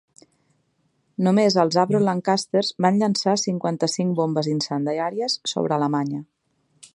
Només els Avro Lancasters van llançar cinquanta-cinc bombes incendiàries sobre Alemanya.